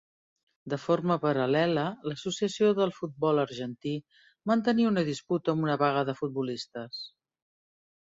De forma paral·lela, l'Associació del Futbol Argentí mantenia una disputa amb una vaga de futbolistes.